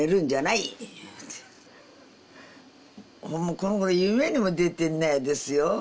いうてほんまこのごろ夢にも出てないですよ